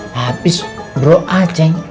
habis bro aja yang